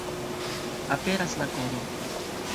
Aperas la kodo.